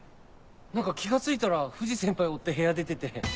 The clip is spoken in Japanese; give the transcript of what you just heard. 何か気が付いたら藤先輩追って部屋出てて。